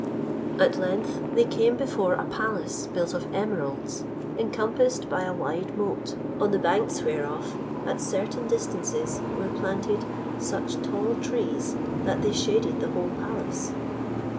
At length they came before a palace built of emeralds, encompassed by a wide moat, on the banks whereof, at certain distances, were planted such tall trees, that they shaded the whole palace.